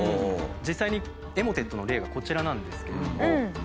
実際にエモテットの例がこちらなんですけれども。